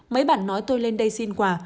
mấy bạn nói tôi lên đây xin quà